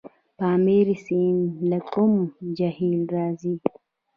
پامیر سیند له کوم جهیل راځي؟